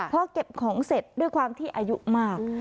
พอเก็บของเสร็จด้วยความที่อายุมาก